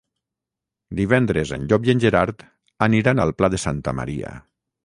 Divendres en Llop i en Gerard aniran al Pla de Santa Maria.